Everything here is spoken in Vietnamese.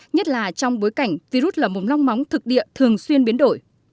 nhất là trong bối cảnh virus lở mồm long móng thực địa thường xuyên biến đổi